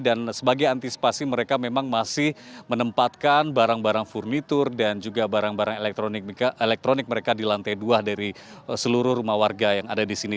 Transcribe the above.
dan sebagai antisipasi mereka memang masih menempatkan barang barang furnitur dan juga barang barang elektronik mereka di lantai dua dari seluruh rumah warga yang ada di sini